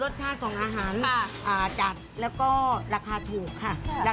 รสชาติของอาหารจัดแล้วก็ราคาถูกค่ะ